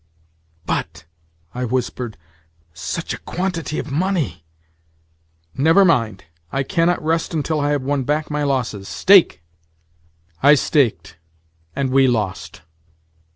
"But," I whispered, "such a quantity of money—" "Never mind. I cannot rest until I have won back my losses. Stake!" I staked, and we lost.